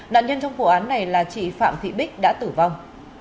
nạn nhân trong vụ án này là chị phạm thị bích đã tử vong